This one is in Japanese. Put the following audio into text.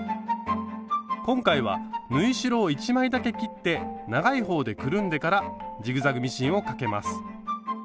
今回は縫い代を１枚だけ切って長い方でくるんでからジグザグミシンをかけます。